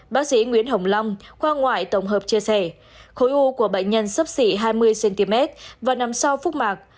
bác sĩ nguyễn hồng long khoa ngoại tổng hợp chia sẻ khối u của bệnh nhân sấp xỉ hai mươi cm và nằm sau phúc mạc